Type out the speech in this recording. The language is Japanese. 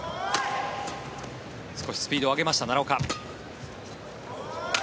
少しスピードを上げました奈良岡。